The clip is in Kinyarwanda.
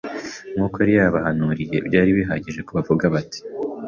Nkuko yari yarabihanuye, byari bihagije ko bavuga bati